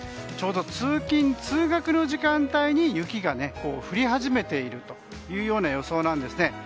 ちょうど通勤・通学の時間帯に雪が降り始めているという予想なんですね。